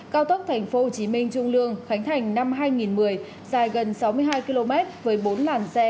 cao tốc tp hcm trung lương khánh thành năm hai nghìn một mươi dài gần sáu mươi hai km với bốn làn xe